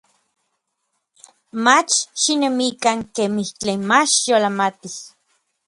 Mach xinemikan kemij tlen mach yolamatij.